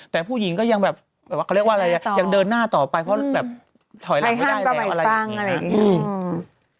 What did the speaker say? แต่ผู้หญิงก็ยังแบบเขาเรียกว่าอะไรยังเดินหน้าต่อไปเพราะแบบถอยหลังไม่ได้แล้วอะไรอย่างนี้นะ